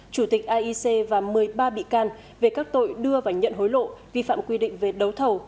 chủ tịch aic và một mươi ba bị can về các tội đưa và nhận hối lộ vi phạm quy định về đấu thầu